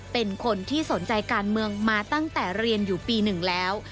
เป็นคนที่สนใจการเมืองมาตั้งแต่เรียนอยู่ปี๑แล้ว